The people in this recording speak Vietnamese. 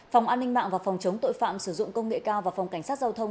phòng an ninh mạng và phòng chống tội phạm sử dụng công nghệ cao và phòng cảnh sát giao thông